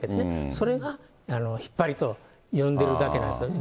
それが引っ張りと呼んでるだけなんですよね。